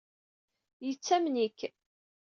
Yettamen-ik.